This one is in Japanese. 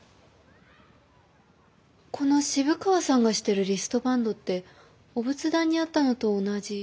この渋川さんがしてるリストバンドってお仏壇にあったのと同じ。